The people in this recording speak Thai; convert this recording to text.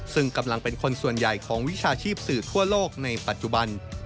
ซึ่งกำลังเป็นคนส่วนใหญ่ของวิชาชีพสื่อทั่วโลกในปัจจุบัน